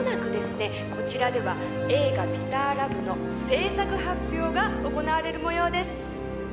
こちらでは映画『ビター・ラブ』の製作発表が行われる模様です」